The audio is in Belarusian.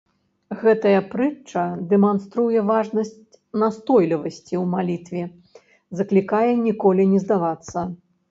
Гэтая прытча дэманструе важнасць настойлівасці ў малітве, заклікае ніколі не здавацца.